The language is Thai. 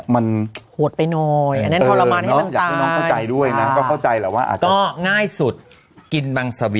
มันโหดไปหน่อยอันนั้นทรมานให้มันตาย